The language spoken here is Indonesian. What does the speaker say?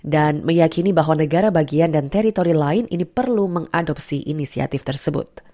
dan meyakini bahwa negara bagian dan teritori lain ini perlu mengadopsi inisiatif tersebut